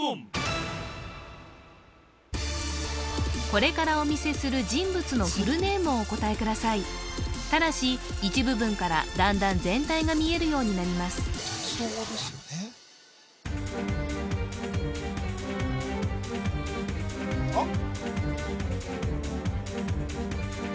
これからお見せする人物のフルネームをお答えくださいただし一部分からだんだん全体が見えるようになります・えっ？